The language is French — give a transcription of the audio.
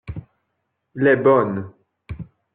Les bonnes.